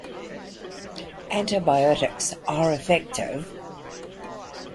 Antibiotics are effective.